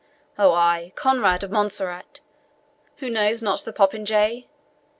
Oh, ay, Conrade of Montserrat who knows not the popinjay?